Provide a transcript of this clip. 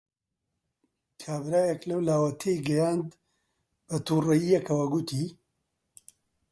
کابرایەک لەولاوە تێی گەیاند، بەتووڕەیییەکەوە گوتی: